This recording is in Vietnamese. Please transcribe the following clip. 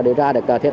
để ra công ty